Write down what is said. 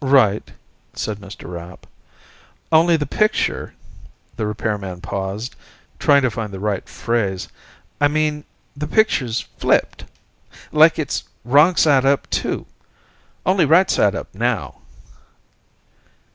"Right," said Mr. Rapp. "Only the picture " the repairman paused, trying to find the right phrase. "I mean, the picture's flipped. Like, it's wrong side up, too. Only, right side up, now."